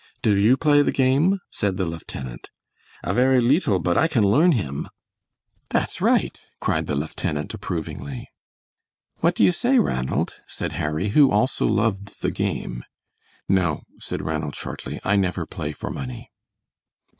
"Do you play the game?" said the lieutenant. "A verie leetle, but I can learn him." "That's right," cried the lieutenant, approvingly. "What do you say, Ranald," said Harry, who also loved the game. "No," said Ranald, shortly, "I never play for money."